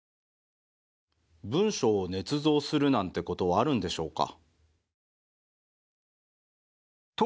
文書をねつ造するなんてことはあるんでしょうか？